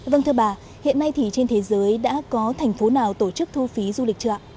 vâng thưa bà hiện nay thì trên thế giới đã có thành phố nào tổ chức thu phí du lịch chưa ạ